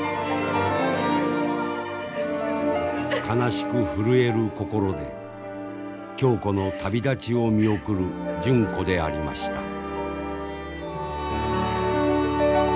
悲しく震える心で恭子の旅立ちを見送る純子でありました。